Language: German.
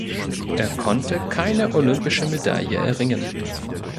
Er konnte keine olympische Medaille erringen.